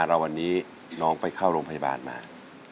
รายการต่อไปนี้เป็นรายการทั่วไปสามารถรับชมได้ทุกวัย